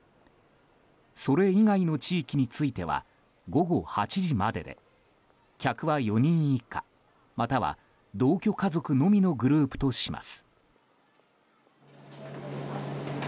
それ以外の地域については午後８時までで客は４人以下または同居家族のみのグループとします。